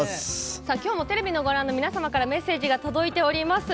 今日もテレビをご覧の皆様からメッセージが届いています。